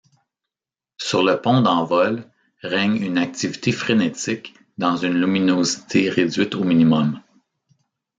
Sur le pont d’envol, règne une activité frénétique dans une luminosité réduite au minimum.